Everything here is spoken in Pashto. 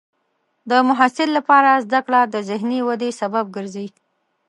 د محصل لپاره زده کړه د ذهني ودې سبب ګرځي.